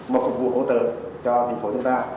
mà phục vụ hỗ trợ cho bệnh phối chúng ta